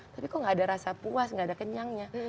tapi kok nggak ada rasa puas gak ada kenyangnya